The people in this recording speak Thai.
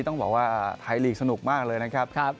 ต้องบอกว่าไทยลีกสนุกมากเลยนะครับ